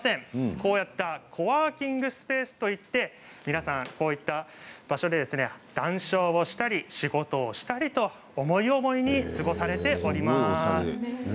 このようなコワーキングスペースと言って皆さん談笑したり仕事をしたりと思い思いに過ごされております。